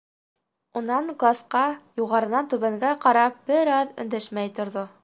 Унан класҡа юғарынан түбәнгә ҡарап, бер аҙ өндәшмәй торҙо.